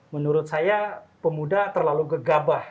menurut saya pemuda terlalu gegabah